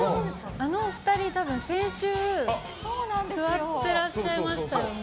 あのお二人、多分先週座ってらっしゃいましたよね。